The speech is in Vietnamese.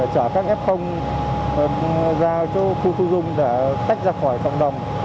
chở các f ra khu thu dung để tách ra khỏi cộng đồng